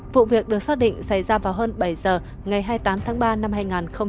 vụ việc được xác định xảy ra vào hơn bảy giờ ngày hai mươi tám tháng ba năm hai nghìn hai mươi